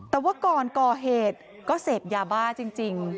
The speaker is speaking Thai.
แต่ว่าก่อนก่อเหตุก็เสพยาบ้าจริง